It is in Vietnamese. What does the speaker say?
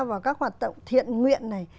vào các hoạt động thiện nguyện này